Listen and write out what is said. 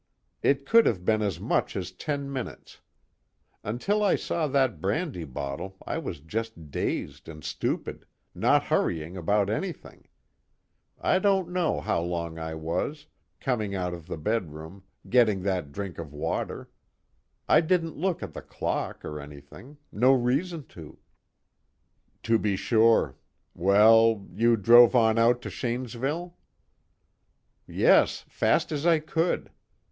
"It could have been as much as ten minutes. Until I saw that brandy bottle I was just dazed and stupid, not hurrying about anything. I don't know how long I was, coming out of the bedroom, getting that drink of water. I didn't look at the clock or anything, no reason to." "To be sure. Well you drove on out to Shanesville?" "Yes, fast as I could.